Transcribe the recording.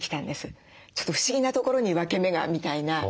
ちょっと不思議な所に分け目がみたいな。